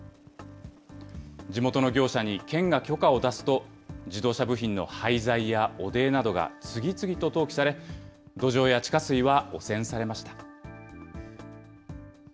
地元の業者に県が許可を出すと、自動車部品の廃材や汚泥などが次々と投棄され、土壌や地下水は汚染されました。